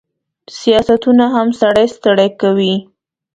سیاستونه هم سړی ستړی کوي.